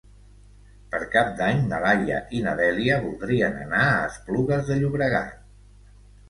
Per Cap d'Any na Laia i na Dèlia voldrien anar a Esplugues de Llobregat.